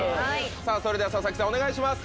それでは佐々木さんお願いします。